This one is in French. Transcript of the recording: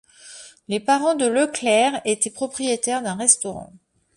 Les parents de Lööckler étais propriétaire d'un restaurant.